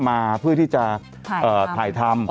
มาเพื่อที่จะถ่ายทำ